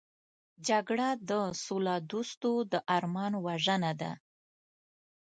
جګړه د سولهدوستو د ارمان وژنه ده